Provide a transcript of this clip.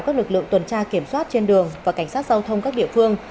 các lực lượng tuần tra kiểm soát trên đường và cảnh sát giao thông các địa phương